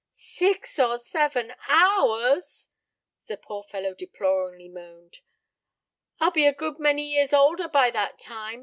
"Six or seven hours," the poor fellow deploringly moaned; "I'll be a good many years older by that time.